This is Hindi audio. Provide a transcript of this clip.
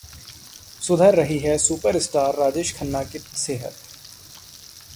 सुधर रही है सुपर स्टार राजेश खन्ना की सेहत